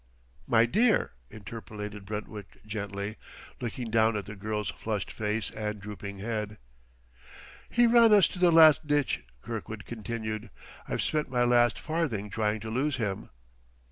"My dear!" interpolated Brentwick gently, looking down at the girl's flushed face and drooping head. "He ran us to the last ditch," Kirkwood continued; "I've spent my last farthing trying to lose him."